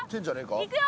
いくよ！